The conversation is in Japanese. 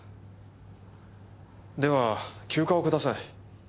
では休暇をください。